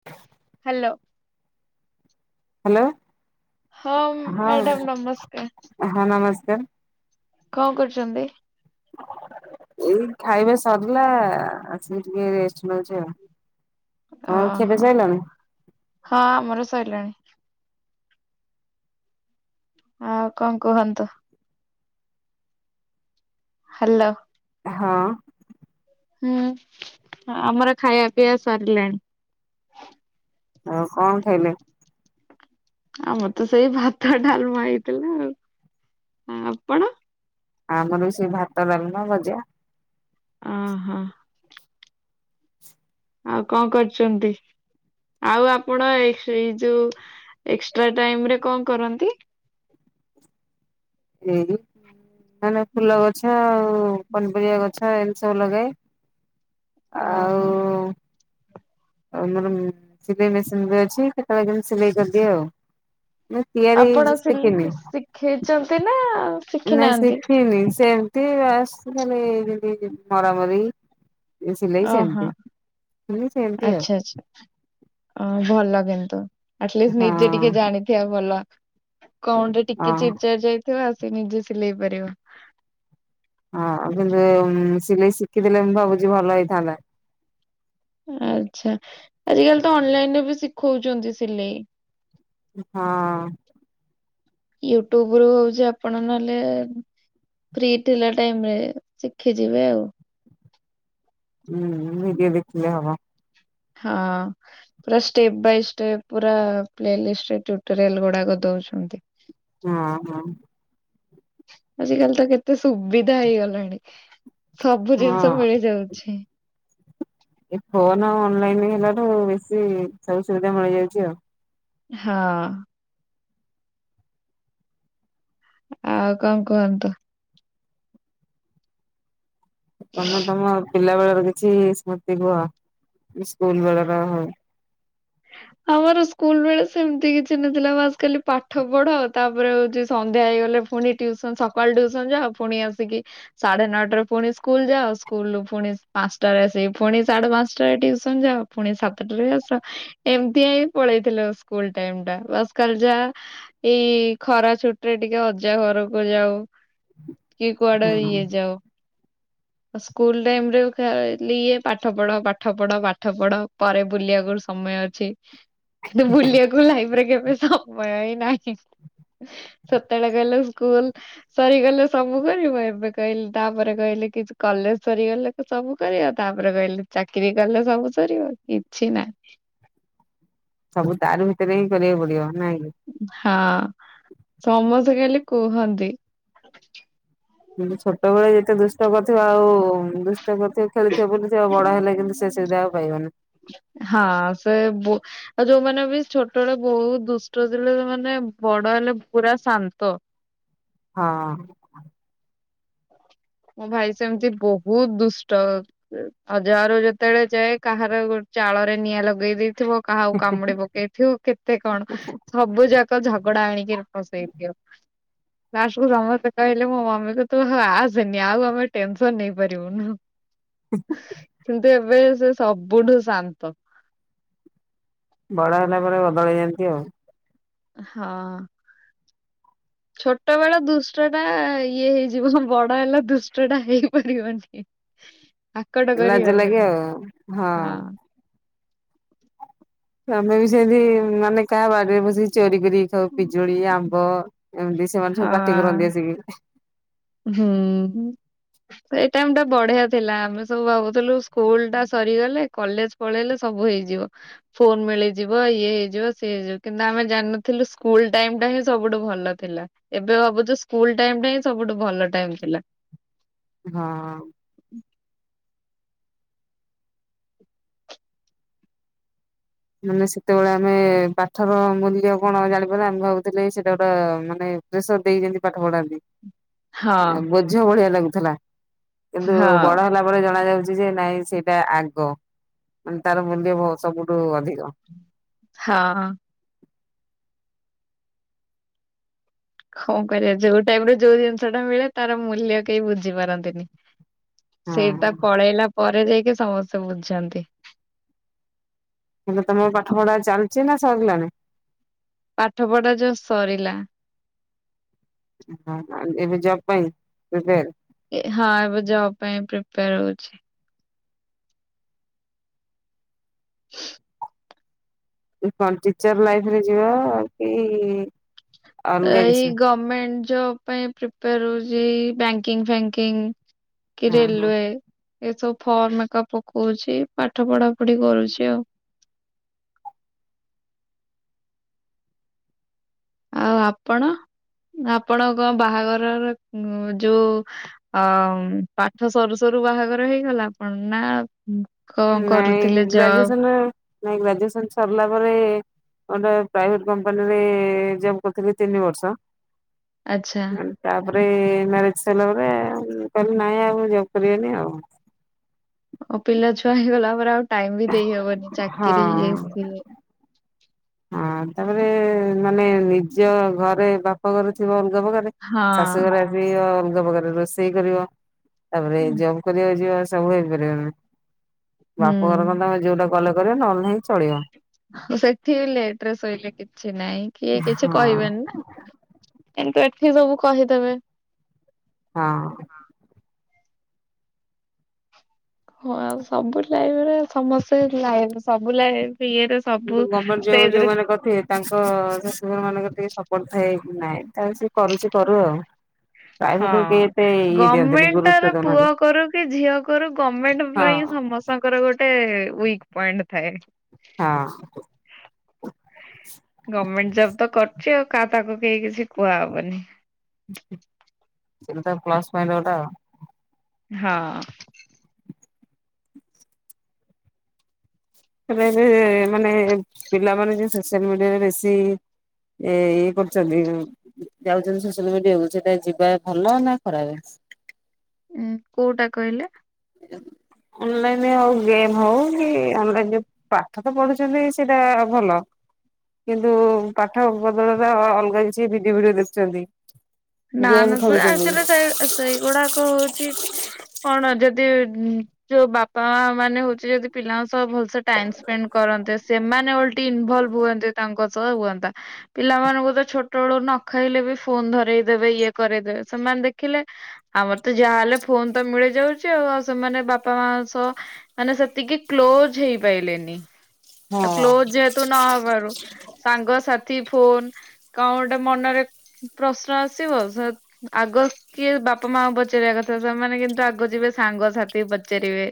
[inaudible] Hello. Hello ହଁ madam ନମସ୍କାର। ଅ ହଁ ନମସ୍କାର। କଣ କରୁଛନ୍ତି? ଏଇ ଖାଇବା ସରିଲା ଆସିକି ଟିକେ ରେଷ୍ଟ ନେଉଛି ଆଉ। ହଁ ଖିଆପିଆ ଓହୋ, ସଇଲାଣି? ହଁ ଆମର ସଇଲାଣି। ଆଉ କଂ କୁହନ୍ତୁ? ହ୍ୟାଲୋ ହଁ ହୁଁ, ଆମର ଖାଇବା ପିଇବା ସରିଲାଣି। ଆଉ କଣ ଖାଇଲେ? ଆମର ତ ସେଇ ଭାତ ଡାଲମା ହେଇଥିଲା ଆଉ। ଆପଣ? ଆମର ବି ସେ ଭାତ, ଡାଲମା, ଭଜା। ଅ ହଁ ଆଉ କଁ କରୁଚନ୍ତି? ଆଉ ଆପଣ ଏଇ ଯୋଉ ଏକ୍ସଟ୍ରା ଟାଇମରେ କଂ କରନ୍ତି? ହୁଁ, ହୁଁ ଏଇ ମାନେ ଫୁଲ ଗଛ ଆଉ ପନିପରିବା ଗଛ ଏମିତି ସବୁ ଲଗାଏ। ଓହୋ ଆଉ- - ଆଉ ଆମର ସିଲେଇ ମେସିନ ଭି ଅଛି କେତେବେଳେ କେମିତି ସିଲେଇ କରିଦିଏ ଆଉ। ମୁଁ ତିଆରି କିଛି ଶିଖିନି। ଖେଇଚନ୍ତି ନା? ନାଇଁ ଶିଖିନାହାନ୍ତି? ଶିଖିନି ସେମତି ଆସେ ଏମିତି ମରାମରି। ଏ ସିଲେଇ ସେମତି, ମାନେ ସେମିତି ଆଉ। ଆଛା। ଅଁ ଭଲ କିନ୍ତୁ ଆଟଲିଷ୍ଟ ହଁ ନିଜେ ଟିକେ ଜାଣିଥିବା ଭଲ। କଣଟେ ଟିକେ ହଁ। ଚିରି ଚାରି ଯାଇଥିବ ଆସି ନିଜେ ସିଲେଇ ପାରିବ। ହଁ କିନ୍ତୁ ସିଲେଇ ଶିଖିଦେଲେ ମୁଁ ଭାବୁଛି ଭଲ ହେଇଥାନ୍ତା। ଆଚ୍ଛା, ଆଜିିକାଲି ତ ଅନଲାଇନରେ ବି ଶିଖଉଚନ୍ତି ସିଲେଇ। ହଁ ୟୁଟ୍ୟୁବରୁ ହଉଛି ଆପଣ ନହେଲେ- - ଫ୍ରି ଥିଲା ଟାଇମ ରେ ଶିଖିଯିବେ ଆଉ। ହୁଁ ନିିଜେ ଦେଖିଲେ ହବ। ହଁ ପୁରା ଷ୍ଟେପ ବାଇ ଷ୍ଟେପ ପୁରା ପ୍ଳେଲିଷ୍ଟ ଟ୍ୟୁଟୋରିଆଲ ଗୁଡା ଦେଉଛନ୍ତି। ହଁ ହଁ ଆଜି କାଲି ତ କେତେ ସୁବିଧା ହେଇଗଲାଣି। ସବୁ ହଁ ଜିନିଷ ମିଳି ଯାଉଛି। ଏ ଫୋନ ଅନଲାଇନ ହେଲାଠୁ ବେଶୀ ସବୁ ସୁବିଧା ମିଳିଯାଉଚି ଆଉ। ହଁ ଆଉ କଂ କୁହନ୍ତୁ? ତମେ ତମ ପିଲା ବେଳର କିଛି ସ୍ମୃତି କୁହ ସ୍କୁଲ ବେଳର ହଉ। ଆମର ସ୍କୁଲ ବେଳେ ସେମିତି କିଛି ନଥିଲା ବାସ ଖାଲି ପାଠ ପଢା ଆଉ ତାପରେ ହଉଚି ସନ୍ଧ୍ୟା ହେଇଗଲେ- - ପୁଣି ଟ୍ୟୁସନ ସକାଳ ଟ୍ୟୁସନ ଜାଅ। ଫୁଣି ଆସିକି - - ସାଢେ ନଅଟାରେ ପୁଣି ସ୍କୁଲ ଯାଅ ସ୍କୁଲରୁ ଫୁଣି ପାଞ୍ଚଟାରେ ଆସି ଫୁଣି ସାଢେ ପାଞ୍ଚଟାରେ ଟିୁସନ ଯାଅ। ଫୁଣି ସାତଟ ଆସ। ଏମତି ହିଁ ପଳେଇଥିଲ ସ୍କୁଲ ଟାଇମ ଟା ବାସ ଖାଲି ଜା ଏଇ ଖରା ଛୁଟି ରେ ଟିକେ ଅଜା ଘରକୁ ଯାଉ। କିଏ କୁଆଡେ ହୁଁ ଇଏ ଯାଉ। ସ୍କୁଲ ଟାଇମ ରେ ଖାଲି ଇଏ ପାଠ ପଢ, ପାଠ ପଢ, ପାଠ ପଢ ପରେ ବୁଲିବାକୁ ସମୟ ଅ ଛି। କିନ୍ତୁ ବୁଲିବାକୁ ଲାଇଫ କେବେ ସମୟ ହି ନାହିଁ। ସତେବେଳେ ଗଲେ ସ୍କୁଲ। ସରିଗଲେ ସବୁ କରିବ ଏବେ କହିଲେ ତାପରେ କହିଲେ କି କଲେଜ ସରିଗଲେ ତ ସବୁ କରିବ ତାପରେ କହିଲେ ଚାକିରି କଲେ ସବୁ ସରିବ କିଛି ନାହିଁ। ସବୁ ତାରି ଭିତରେ ହିଁ କରିବାକୁ ପଡିବ ନାଇଁକି? ହଁ ସମସ୍ତେ ଖାଲି କୁହନ୍ତି। [unintelligible] ଛୋଟବେଳେ ଯେତେ ଦୁଷ୍ଟ କରିଥିବ ଆଉ ଦୁଷ୍ଟ କରିଥିବ ଖେଳିଥିବ ବୁଲି ଥିବ ବଡ ହେଲେ କିନ୍ତୁ ସେ ସୁବିଧା ଆଉ ପାଇବନି। ହଁ ସେ ବୁ ଆଉ ଯୋଉମାନେ ବି ଛୋଟବେଳେ ବୋହୁତ ଦୁଷ୍ଟ ଥିଲେ ମାନେ ବଡ ହେଲେ ପୁରା ଶାନ୍ତ। ହଁ। ମୋ ଭାଇ ସେମିତି ବୋହୁତ ଦୁଷ୍ଟ। ଅଜା ଘରୁକୁ ଯେତେବେଳେ ଯାଏ କାହାର ଚାଳରେ ନିଆଁ ଲଗେଇ ଦେଇଥିବ କାହାକୁ କାମୁଡି ପକେଇଥିବ କେତେ କଣ ସବୁ ଯାକ ଝଗଡା ଆଣିକି [unintelligible] ଲାଷ୍ଟ କୁ ସମସ୍ତେ କହିଲେ ମୋ ମମିକୁ ତୁ ଆଉ ଆସ ସେନି ଆଉ ଆମେ ଟେନସନ ନେଇପାରିବୁନୁ କିନ୍ତୁ ଏବେ ସେ ସବୁଠୁ ଶାନ୍ତ। ବଡ ହେଲା ପରେ ବଦଳ ହେଯାଆନ୍ତି ଆଉ। ହଁ। ଛୋଟ ବେଳ ଦୁଷ୍ଟ ଟା ଇଏ ହେଇଯିବ ବଡ ହେଲା ଦୁଷ୍ଟ ଟା ହେଇପାରିବନି। ଆକଟ କରି ଲାଜ ଲାଗେ ହବନି ଆଉ ହଁ। ଆମେ ବି ସେମିତି ମାନେ କାହା ବାଡିରେ ବସିକି ଚୋରି କରିକି ଖାଉ ପିଜୁଳି ଆମ୍ବ ଏମିତି ସେମାନେ ସବୁ ପାଟିିକି ହଁ ରହନ୍ତି ଆସିକି। ହୁଁ ହୁଁ ସ ଏ ଟାଇମ ଟା ବଢିଆ ଥିଲା ଆମେ ସବୁ ଭାବୁଥୁଲୁ ସ୍କୁଲ ଟା ସରିଗଲେ କଲେଜ ପଳେଇଲେ ସବୁ ହେଇଯିବ। ଫୋନ ମିଳିଯିବ ଇଏ ହେଇଯିବ ସିଏ ହେଇଯିବ କିନ୍ତୁ ଆମେ ଜାଣିନଥିଲୁ ସ୍କୁଲ ଟାଇମ ଟା ହିଁ ସବୁଠୁ ଭଲ ଥିଲା। ଏବେ ଭାବୁଚୁ ସ୍କୁଲ ଟାଇମ ଟା ହିଁ ସବୁଠୁ ଭଲ ଟାଇମ ଥିଲା। ହଁ। ମାନେ ସେତୋବୋଳେ ଆମେ ପାଠର ମୂଲ୍ୟ କଣ ଜାଣିପାରିଲେ ଆମେ ଭାବୁଥୁଲେ ସେଟା ଗୋଟେ ମାନେ ପ୍ରେସର୍ ଦେଇକି ଜେନ୍ତି ପାଠ ପଢାନ୍ତି ହଁ ଆଉ ବୋଝୋ ଭଳିଆ ଲାଗୁଥୁଲା। କିନ୍ତୁ ବଡ ହଁ। ହେଲା ପରେ ଜଣ ଯାଉଛି ଯେ ନାଇଁ ସେଇଟା ଆଗ ମାନେ ତାର ମୂଲ୍ୟ ବୋ ସବୁଠୁ ଅଧିକ। ହଁ। କଁ କରିବା ଯୋଉ ଟାଇମରେ ଯୋଉ ଜିନିଷ ଟା ମିଳେ ତାର ମୂଲ୍ୟ କେହି ବୁଝି ପାରନ୍ତିନି। ସେଇଟା ହଁ। ପଳେଇଲା ପରେ ଯାଇକି ସମସ୍ତେ ବୁଝନ୍ତି। ଏଇନା ତମର ପାଠ ପଢା ଚାଲିଚି ନା ସରିଲାଣି। ପାଠ ପଢା ଜସ୍ ସରିଲା। [unintelligible] ଏବେ ଜବ ପାଇଁ ପ୍ରିପେୟାର। ଏ ହଁ ଏବେ ଜବ ପାଇଁ ପ୍ରିପେୟାର ହୋଉଛି। [inaudible] [unintelligible] କଣ ଟିଚର ଲାଇଫ୍ ରେ ଯିବା କି ଅଲଗା ଏଇ କିଛି? ଗମେଣ୍ଟେ ଜବ ପାଇଁ ପ୍ରିପେୟାର ହୋଉଚି ଏଇ ବ୍ୟାଙ୍କିଙ୍ଗି ଫ୍ୟାଙ୍କିଙ୍ଗି। କି ହଁ ହଁ ରେଲୱେ। ଏ ସବୁ ଫର୍ମ ହେକା ପକୋଉଚି ପାଠ ପଢା ପଢି କରୁଛି ଆଉ। ଆଉ ଆପଣ ଆପଣ କଁ ବାହାଘରର ଯୋଉ ଅଁ ପାଠ ସରୁ ସରୁ ବାହାଘର ହେଇଗଲା ଆପଣ ନା କଁ କରୁଥିଲେ ଯବ୍? ହୁଁ। ନାଇଁ ଗ୍ରାଜୁଏସନ୍ ସରିଲା ପରେ ଗୋଟେ ପ୍ରାଇଭେଟ କମ୍ପାନୀରେ ଜବ୍ କରୁଥିଲି ତିନି ବର୍ଷ। ଆଚ୍ଛା। ତାପରେ ମ୍ୟାରେଜ୍ ସଇଲା ପରେ, ମୁଁ କଇଲି ନାଇଁ ଆଉ ମୁଁ ଜବ୍ କରିବିନି ଆଉ। ଆଉ ପିଲା ଛୁଆ ହେଇଗଲା ପରେ ଆଉ ଟାଇମ୍ ବି ଦେଇ ହବନି ହଁ ଚାକିରି ଇଏ ସିଏ। ହଁ ତାପରେ ମାନେ ନିଜ ଘରେ ବାପ ଘରେ ଥିବ ଅଲଗା ପ୍ରକାରରେ। ହଁ ଶାଶୁଘରେ ଏବିଅ ଅଲଗା ପ୍ରକାରର ରୋଷେଇ କରିବ ତାପରେ ଯୋଉ କରିଆକୁ ଯିବା ସବୁ ହେଇପାରିବନି ବାପ ଘର ରନ୍ଧା। ହୁଁ ଯୋଉଟା କଲେ କରିବ ନହେଲେ ନାଇଁ ଚଳିବ। ହୁଁ ସେଠି ଲେଟ୍ ରେ ଶୋଇଲେ କିଛି ନାହିଁ, କିଏ କିଛି ହଁ କହିବେନି ନାଁ। କିନ୍ତୁ ଏଠି ସବୁ କହିଦେବେ। ହଁ। ହଁ ଆଉ ସବୁ ଲାଇଭରେ ସମସ୍ତେ ସବୁ ଲାଇଭ୍, ସବୁ ଲାଇଫ୍ ଇଏରେ। କିନ୍ତୁ ସବୁ ଗମେଣ୍ଟ ଜବ୍ ଯୋଉ ଷ୍ଟେଜରେ ମାନେ କରିଥିବେ। ତାଙ୍କ ଶାଶୁଘର ମାନଙ୍କର ଟିକେ ସପୋର୍ଟ ଥାଏ, ନାଇଁ ତାହେଲେ ସିଏ କରୁଚି କରୁ ଆଉ। ହଁ ପ୍ରାଇଭେଟକୁ କେହି ଏତେ ଇଏ ଦିଅନ୍ତିନି ଗମେଣ୍ଟ ଟାରେ ଗୁରୁତ୍ୱ ଦଉନାହାନ୍ତି। ପୁଅ କରୁ କି ଝିଅ କରୁ ଗମେଣ୍ଟ୍ ହଁ। ପାଇଁ ସମ ତାଙ୍କର ଗୋଟେ ୱିକ୍ ପଏଣ୍ଟ ଥାଏ। ହଁ। ଗମେଣ୍ଟ ଜବ୍ ତ କରିଚି ଆଉ କା ତାକୁ କେଇ କିଛି କୁଆହବନି। ସେଟା ତା ପ୍ଲସ୍ ପଏଣ୍ଟ ଗୋଟେ ଆଉ। ହଁ ଅଁ। ଏବେ ଏବେ ମାନେ ପିଲା ମାନେ ଯୋଉ ସୋସିଆଲ୍ ମିଡିଆରେ ବେଶୀ। ଏଇ କରୁଚନ୍ତି। ଯାଉଚନ୍ତି ସୋସିଆଲ୍ ମିଡିଆକୁ ସେଟା ଯିବା ଭଲ ନାଁ ଖରାପେ? ଉଁ କୋଉଟା କଇଲେ? ଅନ୍ ଲାଇନ୍ ଆଉ ଗେମ୍ ହୋଉ କି ଅଲଗା ଗେମ୍। ପାଠ ତ ପଢୁଚନ୍ତି ସେଇଟା ଭଲ କିନ୍ତୁ ପାଠ ବଦଳରେ ଅ ଅଲଗା କିଛି ଭିଡିଓ ଫିଡୁଅ ଦେଖୁଚନ୍ତି। ନାଁ ନାଁ ସେ ଆକ୍ଚୋଲି ସେଇ ଆ ସେଇଗୁଡାକ ହୋଉଛି। କଣ ଯଦି ଉଁ ଯୋଉ ବାପା ମା ମାନେ ହୋଉଚି ଯଦି ପିଲାଙ୍କ ସହ ଭଲ ସେ ଟାଇମ୍ ସ୍ପେଣ୍ଡ କରନ୍ତେ ସେମାନେ ଓଲ ଟି ଇନଭଲବ୍ ହୁଅନ୍ତେ ତାଙ୍କ ସହ ହୁଅନ୍ତା। ପିଲାମାନଙ୍କୁ ତ ଛୋଟ ବେଳୁରୁ ନ ଖାଇଲେ ବି ଫୋନ୍ ଧରେଇ ଦେବେ ଇଏ କରେଦେବେ ସେମାନେ ଦେଖିଲେ। ଆମର ତ ଯାହାହଲେ ଫୋନ୍ ତ ମିଳି ଯାଉଚି ଆଉ ଆଉ ସେମାନେ ବାପା ମାଙ୍କ ସହ ମାନେ ସେତିକି କ୍ଲୋଜ୍ ହେଇ ପାଇଲେନି, ଆଉ ହଁ କ୍ଲୋଜ୍ ଯେହେ ତୁ ନହବାରୁ ସାଙ୍ଗସାଥି ଫୋନ୍ କଅଁ ଗୋଟେ ମନରେ ପ୍ରଶ୍ନ ଆସ ସେ ଭବିଷତ୍ ଆଗ କିଏ ବାପା ମାଙ୍କୁ ପଚାରିବା କଥା, ସେମାନେ କିନ୍ତୁ ଆଗ ଯିବେ ସାଙ୍ଗସାଥି କି ପଚାରିବେ।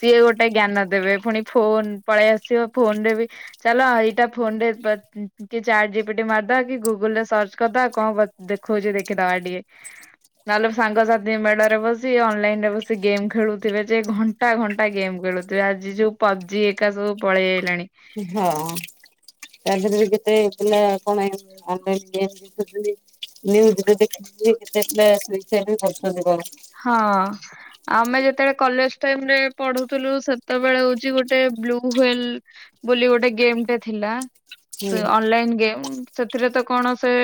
ସିଏ ଗୋଟେ ଜ୍ଞାନ ଦେବେ, ପୁଣି ଫୋନ୍ ପଳେଇ ଆସିବ ଫୋନ୍ ରେ ବି ଚାଲ ଏଇଟା ଫୋନ୍ ରେ ବା [unintelligible] କି ଚାର୍ଟ ଜିପିଟି ମାରିଦବା କି ଗୁଗୁଲ୍ ରେ ସର୍ଚ୍ଚ କରିଦବା କଅଁ କ ଦେଖୋଉଛି ଦେଖିଦବା ଟିକେ। ନହେଲେ ସାଙ୍ଗସାଥି ମେଳରେ ବସି ଅନ୍ ଲାଇନ୍ ରେ ବସି ଗେମ୍ ଖେଳୁଥିବେ ଯେ ଘ ଘଣ୍ଟା ଘଣ୍ଟା ଗେମ୍ ଖେଳୁଥିବେ ଆଜି ଯୋଉ ପବ୍ଜି ଏକା ସବୁ ପଳେଇ ଆଇଲାଣି। ହଁ, ତାଦେହରେ ବି କେତେ ପିଲା କଣ ଏନ୍ ଅନ୍ଲାଇନ୍ ଗେମ୍ ଦେଖିଲି, ନିଉଜ୍ ରେ ଦେଖିଥିଲି କେତେ ପିଲା ସ୍ଵିସାଇଡ୍ ରେ କରୁଚନ୍ତି କଣ। ହଁ। ଆମେ ଯେତେବେଳେ କଲେଜ୍ ଟାଇମ୍ ରେ ପଢୁଥିଲୁ ସେତେବେଳେ ହୋଉଛି ଗୋଟେ ବ୍ଲୁ ହୁଏଲ୍ ବୋଲି ଗୋଟେ ଗେମ୍ ଟେ ଥିଲା, ସେ ହୁଁ। Online game. ସେଥିରେ ତ କଣ ସେ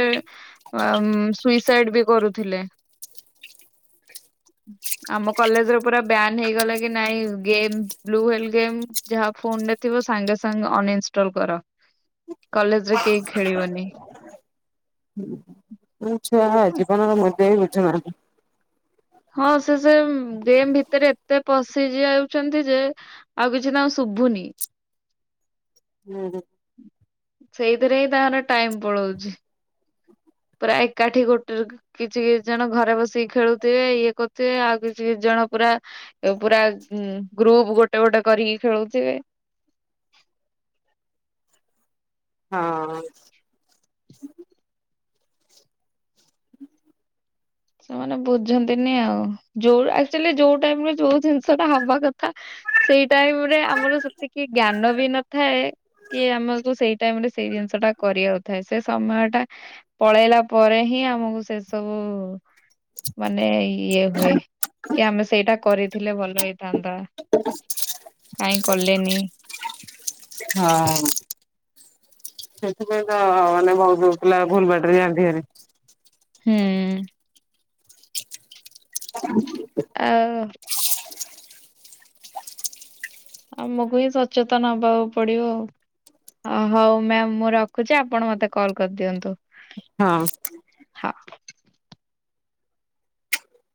ସୁଇସାଇଡ୍ ବି କରୁଥିଲେ। ଆମ କଲେଜ ର ପୁରା ବ୍ୟାନ୍ ହେଇଗଲା କି ନାଇଁ ଗେମ୍ ବ୍ଲୁ ହ୍ୱେଲ ଗେମ୍ ଯାହା ଫୋନ୍ ରେ ଥିବ ସାଙ୍ଗେ ସାଙ୍ଗେ ଅନଇନଷ୍ଟଲ କର। କଲେଜରେ କେହି ଖେଳିବନି। କୋଉ ଛୁଆ ଜୀବନର ମୂଲ୍ୟ ହିଁ ବୁଝୁନାହାନ୍ତି। ହଁ ସେ ସେ ଗେମ୍ ଭିତରେ ଏତେ ପଶି ଯାଉଛନ୍ତି ଯେ ଆଉ କିଛି ତାଙ୍କୁ ଶୁଭୁନି। ଉଁ ହୁଁ। ସେଇଥିରେ ହିଁ ତାଙ୍କର ଟାଇମ ପଳଉଛି। ପ୍ରାୟ ଏକାଠି ଗୋଟ କିଛି କିଛି ଜଣ ଘରେ ବସିକି ଖେଳୁଥିବେ, ଇଏ କରୁଥିବେ, ଆଉ କିଛି କିଛି ଜଣ ପୁରା ପୁରା ଗ୍ରୁପ ଗୋଟେ ଗୋଟେ କରିକି ଖେଳୁଥିବେ। ହଁ। ସେମାନେ ବୁଝନ୍ତିନି ଆଉ, ଯୋଉ ଆକଚୁଆଲି ଯୋଉ ଟାଇମ୍ ରେ ଯୋଉ ଜିନିଷ ଟା ହବା କଥା। ସେଇ ଟାଇମ ରେ ଆମର ସେତିକି ଜ୍ଞାନ ବି ନଥାଏ। କି ଆମକୁ ସେଇ ଟାଇମ୍ ରେ ସେଇ ଜିନିଷ ଟା କରିବା କଥା। ସେ ସମୟ ଟା ପଳେଇଲା ପରେ ହିଁ ଆମକୁ ସେ ସବୁ ମାନେ ଇଏ ହୁଏ, କି ଆମେ ସେଇଟା କରିଥିଲେ ଭଲ ହେଇଥାନ୍ତା। ହ [unintelligible] କାଇଁ କଲେନି। ହଁ। ସେତେବେଳେ ତ ମାନେ ବୋହୁତ ବୋହୁତ ପିଲା ଭୁଲ ବାଟରେ ଯାଆନ୍ତି ଭାରି। ହୁଁ। ଆଉ। ଆମକୁ ହିଁ ସଚେତନ ହବାକୁ ପଡିବ ଆଉ। ହଉ, ହଉ ମ୍ୟାମ୍ ମୁଁ ରଖୁଛି, ଆପଣ ମତେ କଲ୍ କରିଦିଅନ୍ତୁ। ହଁ। ହା।